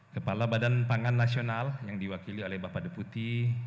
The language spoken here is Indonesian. kepala badan pangan nasional yang diwakili oleh bapak deputi